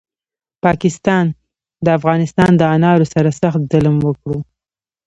پاکستاد د افغانستان دانارو سره سخت ظلم وکړو